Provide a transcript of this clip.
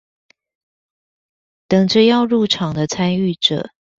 等著要入場的參與者